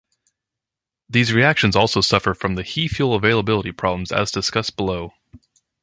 These reactions also suffer from the He fuel availability problem, as discussed below.